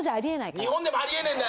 日本でもありえねえんだよ。